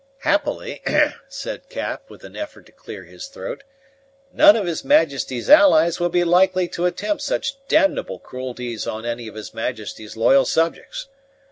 "Happily," said Cap, with an effort to clear his throat, "none of his Majesty's allies will be likely to attempt such damnable cruelties on any of his Majesty's loyal subjects.